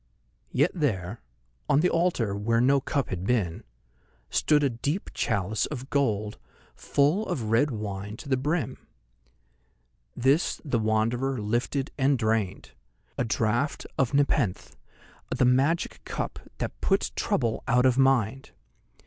Yet there, on the altar where no cup had been, stood a deep chalice of gold, full of red wine to the brim. This the Wanderer lifted and drained—a draught of Nepenthe, the magic cup that puts trouble out of mind.